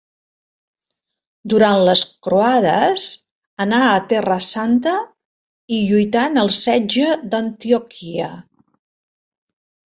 Durant les croades, anà a Terra Santa i lluità en el setge d'Antioquia.